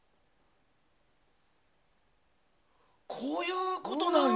こういうことなんや。